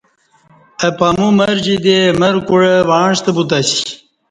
اہ پاَمو مر جی دی مر کوع وعݩستہ بوتہ اسی